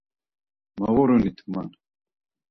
Moğurinit man!